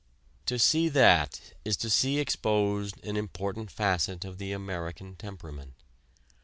To see that is to see exposed an important facet of the American temperament.